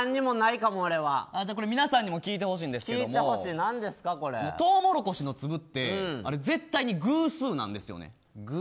皆さんにも聞いてほしんですけどトウモロコシの粒って絶対に偶数なんですよね。